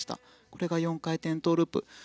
これが４回転トウループ。